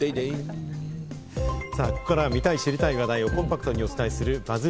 ここからは見たい知りたい話題をコンパクトにお伝えするＢＵＺＺ